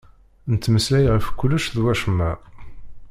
Nettmeslay ɣef kullec d wacemma.